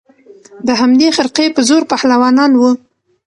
د همدې خرقې په زور پهلوانان وه